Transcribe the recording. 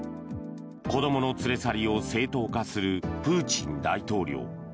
子供の連れ去りを正当化するプーチン大統領。